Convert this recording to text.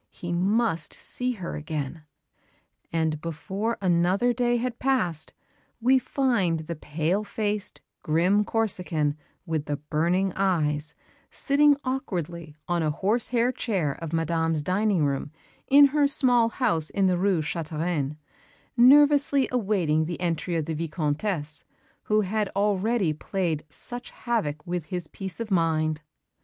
He must see her again. And, before another day had passed, we find the pale faced, grim Corsican, with the burning eyes, sitting awkwardly on a horse hair chair of Madame's dining room in her small house in the Rue Chantereine, nervously awaiting the entry of the Vicomtesse who had already played such havoc with his peace of mind.